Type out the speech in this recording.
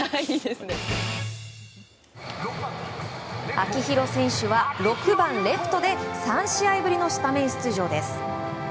秋広選手は６番、レフトで３試合ぶりのスタメン出場です。